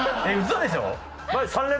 嘘でしょ？